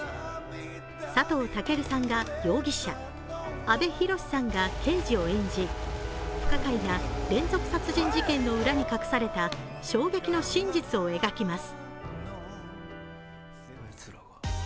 佐藤健さんが容疑者、阿部寛さんが刑事を演じ、不可解な連続殺人事件の裏に隠された衝撃の真実を描きます。